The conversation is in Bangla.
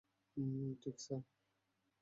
ঠিক, স্যার।